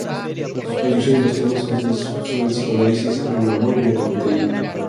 En sus producciones los temas constantes son el psicoanálisis, el amor y el capitalismo.